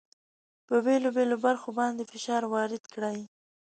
په بېلو بېلو برخو باندې فشار وارد کړئ.